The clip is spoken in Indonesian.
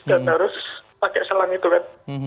dan harus pakai selang itu kan